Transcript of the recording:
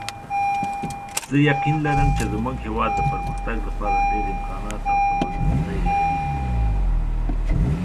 زه یقین لرم چې زموږ هیواد د پرمختګ لپاره ډېر امکانات او توانمندۍ لري